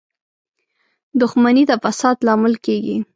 • دښمني د فساد لامل کېږي.